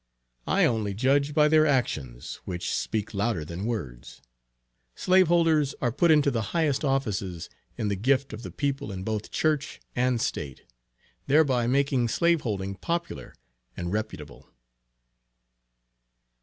I only judge by their actions, which speak louder than words. Slaveholders are put into the highest offices in the gift of the people in both Church and State, thereby making slaveholding popular and reputable.